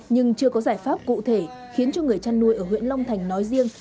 nhưng chưa có giải pháp cụ thể khiến cho người chăn nuôi ở huyện long thành nói riêng